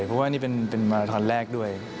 เพราะว่านี่เป็นมาทอนแรกด้วย